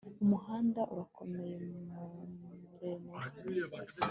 Umuhanda urakomeye muremure